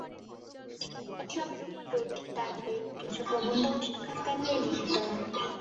অসামান্য এই বইটি তার বেশ কিছু প্রবন্ধ ও সাক্ষাৎকার নিয়ে লিখিত।